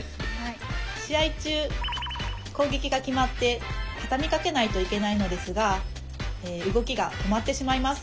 試合中攻撃が決まってたたみかけないといけないのですが動きが止まってしまいます。